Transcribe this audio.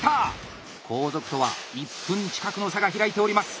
後続とは１分近くの差が開いております！